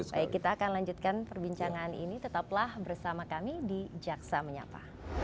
baik kita akan lanjutkan perbincangan ini tetaplah bersama kami di jaksa menyapa